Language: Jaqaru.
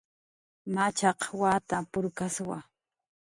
Machaq wata purkkaswa